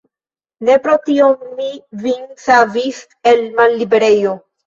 Ne pro tio mi vin savis el malliberejo.